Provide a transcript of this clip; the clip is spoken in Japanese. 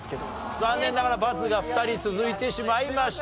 残念ながらバツが２人続いてしまいました。